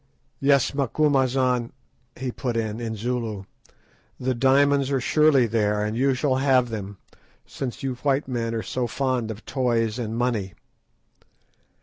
"Yes, Macumazahn," he put in, in Zulu, "the diamonds are surely there, and you shall have them, since you white men are so fond of toys and money."